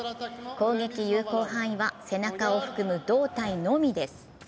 攻撃有効範囲は背中を含む胴体のみです。